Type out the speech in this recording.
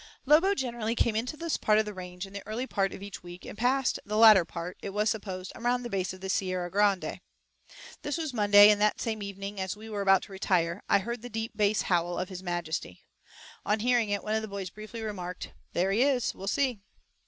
Lobo, generally, came into this part of the range in the early part of each week, and passed the latter part, it was supposed, around the base of Sierra Grande. This was Monday, and that same evening, as we were about to retire, I heard the deep bass howl of his majesty. On hearing it one of the boys briefly remarked, "There he is, we'll see."